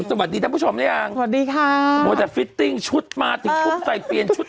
สวัสดีนะผู้ชมได้ยังสวัสดีค่ะโดยจะชุดมาติดทุกทุกใส่เตี้ยนชุด